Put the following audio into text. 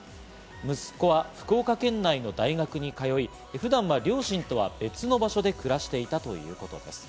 息子は福岡県内の大学に通い、普段は両親とは別の場所で暮らしていたということです。